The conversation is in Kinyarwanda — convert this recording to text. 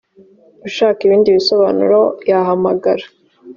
ushaka ibindi bisobanuro yahamagara